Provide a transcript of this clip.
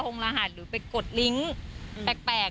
รหัสหรือไปกดลิงค์แปลก